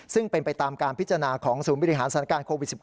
ซึ่งเป็นไปตามการพิจารณาของศูนย์บริหารสถานการณ์โควิด๑๙